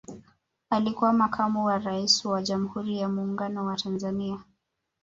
alikuwa makamu wa raisi wa jamhuri ya muungano wa tanzania